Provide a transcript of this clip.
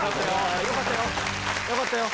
よかったよ。